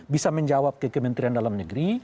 bisa menjawab ke kementerian dalam negeri